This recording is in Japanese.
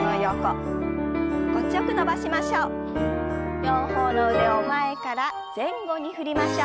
両方の腕を前から前後に振りましょう。